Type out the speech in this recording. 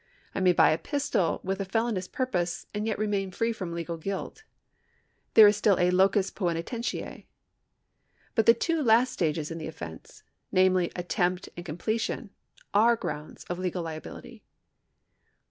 I may buy a pistol with felonious purpose, and yet remain free from legal guilt. There is still a locus jpoenitentiae. But the two last stages in the offence, namely attempt and completion, are grounds of legal liability.